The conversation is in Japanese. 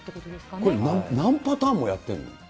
これ何パターンもやってんの？